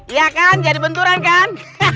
iya kan jadi benturan kan